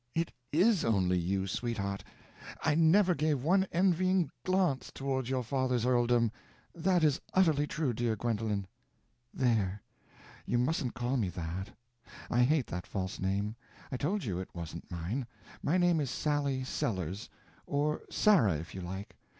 "It is only you, sweetheart, I never gave one envying glance toward your father's earldom. That is utterly true, dear Gwendolen." "There—you mustn't call me that. I hate that false name. I told you it wasn't mine. My name is Sally Sellers—or Sarah, if you like.